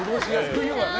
冬はね。